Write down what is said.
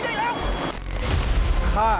ไอ้หำ